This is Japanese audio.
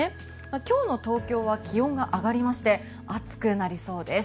今日の東京は気温が上がりまして暑くなりそうです。